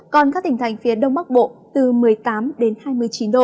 còn các tỉnh thành phía đông bắc bộ từ một mươi tám đến hai mươi chín độ